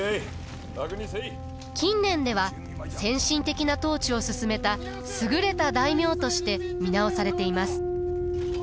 近年では先進的な統治をすすめた優れた大名として見直されています。